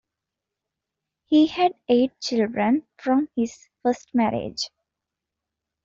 He had eight children from his first marriage.